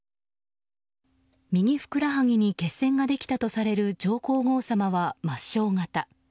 右ふくらはぎに血栓ができたとされる上皇后さまは末しょう型。